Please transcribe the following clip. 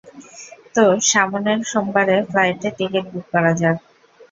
তো, সামনের সোমবারে ফ্লাইটের টিকিট বুক করা যাক।